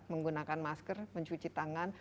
menggunakan masker mencuci tangan